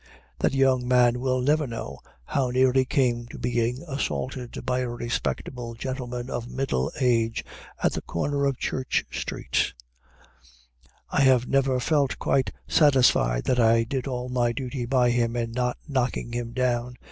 That young man will never know how near he came to being assaulted by a respectable gentleman of middle age, at the corner of Church Street. I have never felt quite satisfied that I did all my duty by him in not knocking him down.